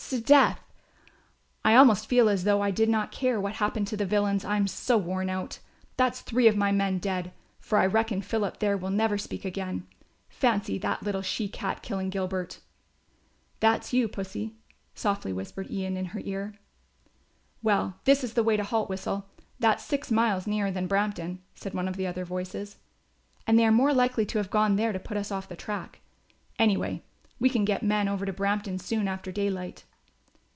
S'death. I almost feel as though I did not care what happened to the villains, I am so worn out. That's three of my men dead; for I reckon Philip there will never speak again. Fancy that little she cat killing Gilbert." "That's you, Pussie," softly whispered Ian in her ear. "Well, this is the way to Haltwhistle; that's six miles nearer than Brampton," said one of the other voices, "and they are more likely to have gone there to put us off the track. Anyway, we can get men over to Brampton soon after daylight."